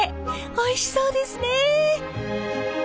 おいしそうですねえ。